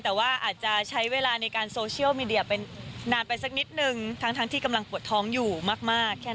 ตำรวจยืนยันไหมครับว่าไม่ได้รับคำสั่งจากใคร